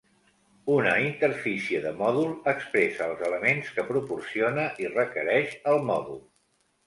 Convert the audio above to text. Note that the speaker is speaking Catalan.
Una interfície de mòdul expressa els elements que proporciona i requereix el mòdul.